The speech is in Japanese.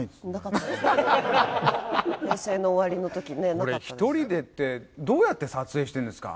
これ１人でってどうやって撮影してるんですか？